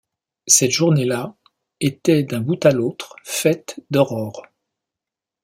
Cette journée-là était d’un bout à l’autre faite d’aurore.